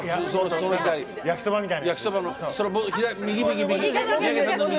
焼きそばみたいな。